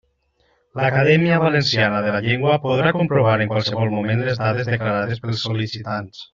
L'Acadèmia Valenciana de la Llengua podrà comprovar en qualsevol moment les dades declarades pels sol·licitants.